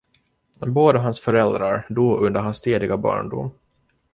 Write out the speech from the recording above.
Båda hans föräldrar dog under hans tidiga barndom.